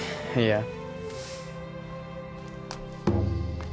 いや。